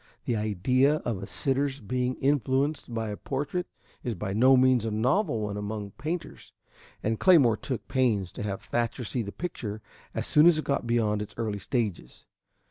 The idea of a sitter's being influenced by a portrait is by no means a novel one among painters, and Claymore took pains to have Thatcher see the picture as soon as it got beyond its early stages.